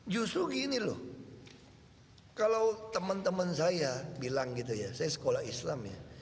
justru gini loh kalau teman teman saya bilang gitu ya saya sekolah islam ya